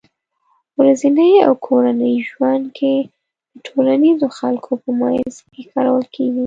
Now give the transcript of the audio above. ورځني او کورني ژوند کې د ټولنيزو خلکو په منځ کې کارول کېږي